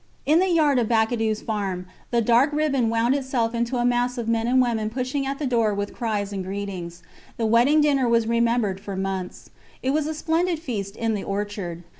In the yard of Bacadous farm the dark ribbon wound itself up into a mass of men and women pushing at the door with cries and greetings. The wedding dinner was remembered for months. It was a splendid feast in the orchard.